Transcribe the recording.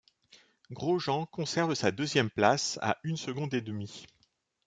Grosjean conserve sa deuxième place à une seconde et demi.